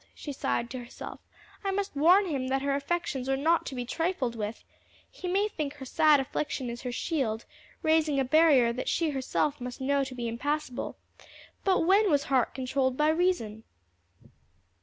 she sighed to herself. "I must warn him that her affections are not to be trifled with. He may think her sad affliction is her shield raising a barrier that she herself must know to be impassable but when was heart controlled by reason?"